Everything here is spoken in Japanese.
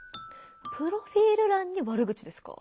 プロフィール欄に悪口ですか？